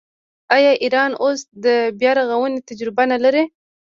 آیا ایران اوس د بیارغونې تجربه نلري؟